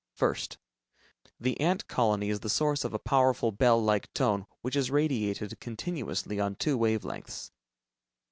First: The ant colony is the source of a powerful bell like tone which is radiated continuously on two wave lengths